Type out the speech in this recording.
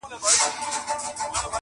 بله ډله وايي سخت فهم دی,